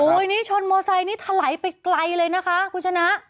โอ้โหนี่ชนมอเตอร์ไซค์นี่ถลายไปไกลเลยนะคะคุณชนะ